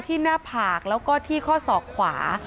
ที่หน้าผากกว้างขวา